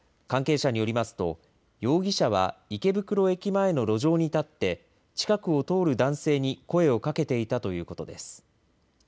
関係者によりますと、容疑者は池袋駅前の路上に立って、近くを通る男性に声をかけていたということです。